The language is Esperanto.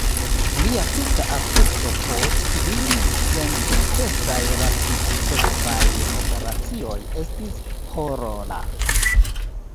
Lia tuta aspekto post kvin sensukcesaj rapidsekvaj operacioj estis horora.